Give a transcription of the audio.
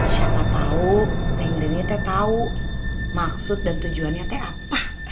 siapa tahu te yang rini te tahu maksud dan tujuannya te apa